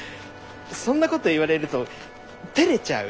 そんなこと言われるとてれちゃう。